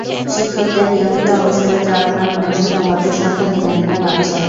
শিক্ষকদের নিয়মিত অবসরে যাওয়ার কারণে শূন্য পদের সংখ্যা দিনে দিনে বাড়ছে।